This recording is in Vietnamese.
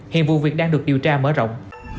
hiện vụ việc đang được điều tra mở rộng